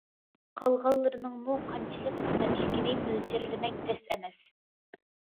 قالغانلىرىنىڭمۇ قانچىلىك قىممەتلىكىنى مۆلچەرلىمەك تەس ئەمەس.